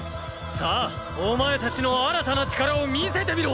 さぁお前たちの新たな力を見せてみろ！